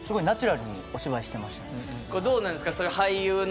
確かにどうなんですか？